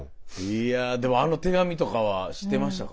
いやでもあの手紙とかは知ってましたか？